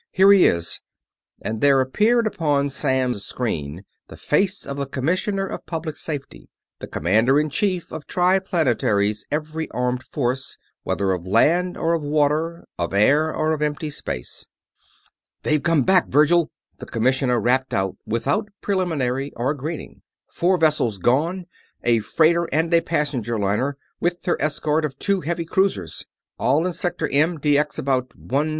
Here he is," and there appeared upon Samms' screen the face of the Commissioner of Public Safety, the commander in chief of Triplanetary's every armed force; whether of land or of water, of air or of empty space. "They've come back, Virgil!" The Commissioner rapped out without preliminary or greeting. "Four vessels gone a freighter and a passenger liner, with her escort of two heavy cruisers. All in Sector M, Dx about 151.